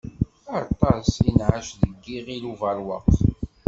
Aṭas i nɛac di Yiɣil Ubeṛwaq.